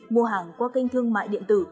mua hàng qua kênh thương mại điện tử